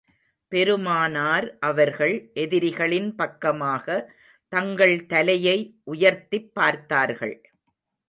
பெருமானார் அவர்கள் எதிரிகளின் பக்கமாக தங்கள் தலையை உயர்த்திப் பார்த்தார்கள்.